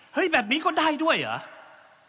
แบบนี้ก็ได้ด้วยเหรอ